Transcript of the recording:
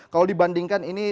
kalau dibandingkan ini